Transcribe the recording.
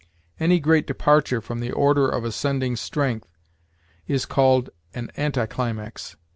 Any great departure from the order of ascending strength is called an anti climax.